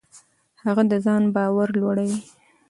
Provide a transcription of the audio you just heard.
هغه د ځان باور لوړوي.